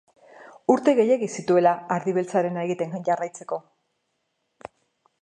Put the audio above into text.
Urte gehiegi zituela ardi beltzarena egiten jarraitzeko.